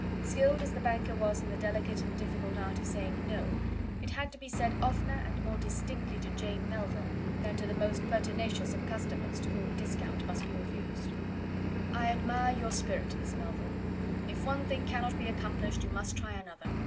Skilled as the banker was in the delicate and difficult art of saying "No," it had to be said oftener and more distinctly to Jane Melville than to the most pertinacious of customers, to whom discount must be refused. "I admire your spirit, Miss Melville. If one thing cannot be accomplished you must try another.